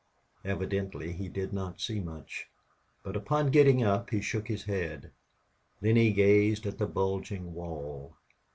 Evidently he did not see much, for upon getting up he shook his head. Then he gazed at the bulging wall.